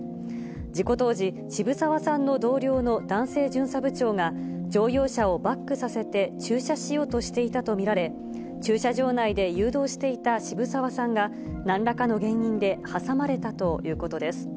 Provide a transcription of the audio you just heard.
事故当時、渋沢さんの同僚の男性巡査部長が、乗用車をバックさせて駐車しようとしていたと見られ、駐車場内で誘導していた渋沢さんが、なんらかの原因で挟まれたということです。